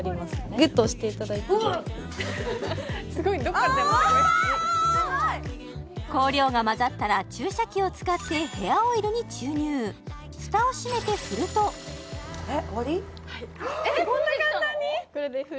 グっと押していただいてあ香料が混ざったら注射器を使ってヘアオイルに注入蓋を閉めて振るとはいこんな簡単に？